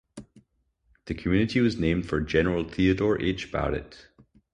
The community was named for General Theodore H. Barrett.